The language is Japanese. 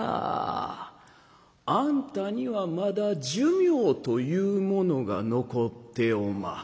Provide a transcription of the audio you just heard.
あんたにはまだ寿命というものが残っておま。